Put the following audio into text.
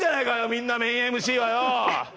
みんなメインＭＣはよ！